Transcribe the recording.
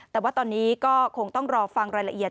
แต่ว่าตอนนี้ก็คงต้องรอฟังรายละเอียด